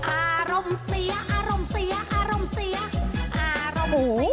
อารมณ์เสียอารมณ์เสียอารมณ์เสียอารมณ์หมู